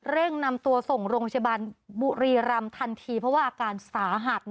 เร่งนำตัวส่งโรงพิชบันปุรีรำทันทีเพราะว่าการสาหัสนะคะ